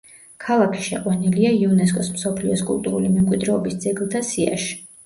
ქალაქი შეყვანილია იუნესკოს მსოფლიოს კულტურული მემკვიდრეობის ძეგლთა სიაში.